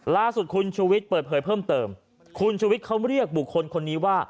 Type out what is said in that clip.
ล่าสุดคุณชูวิทย์เปิดเผยเพิ่มเติมคุณชุวิตเขาเรียกบุคคลคนนี้ว่า